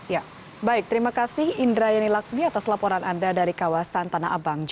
ya baik terima kasih indra yeni laksmi atas laporan anda dari kawasan tanah abang